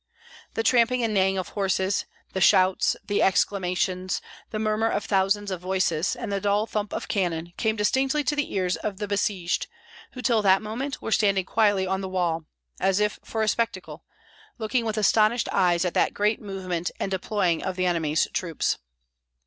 The tramp and neighing of horses, the shouts, the exclamations, the murmur of thousands of voices, and the dull thump of cannon, came distinctly to the ears of the besieged, who till that moment were standing quietly on the wall, as if for a spectacle, looking with astonished eyes at that great movement and deploying of the enemy's troops.